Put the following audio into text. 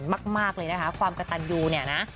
มากเลยนะคะความกระตันยูเนี่ยนะ